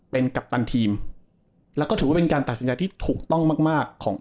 เป็นกัปตันทีมแล้วก็ถือว่าเป็นการตัดสินใจที่ถูกต้องมากมากของ